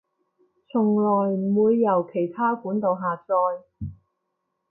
從來唔會由其它管道下載